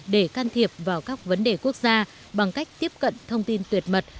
để can thiệp vào các vấn đề quốc gia bằng cách tiếp cận thông tin tuyệt mật